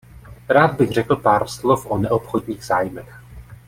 Rád bych řekl pár slov o neobchodních zájmech.